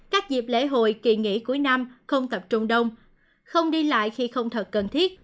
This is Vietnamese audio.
các dịp lễ hội kỳ nghỉ cuối năm không tập trung đông không đi lại khi không thật cần thiết